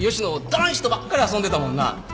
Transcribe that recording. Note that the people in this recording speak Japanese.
男子とばっかり遊んでたもんな。